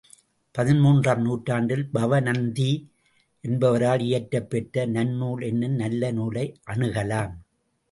பதின்மூன்றாம் நூற்றாண்டில் பவணந்தி என்பவரால் இயற்றப்பெற்ற நன்னூல் என்னும் நல்ல நூலை அணுகலாம்.